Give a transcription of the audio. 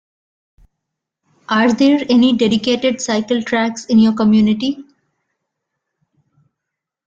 Are there any dedicated cycle tracks in your community?